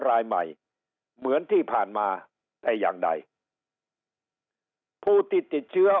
รายใหม่เหมือนที่ผ่านมาแต่อย่างใดผู้ที่ติดเชื้อ